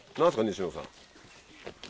西野さん。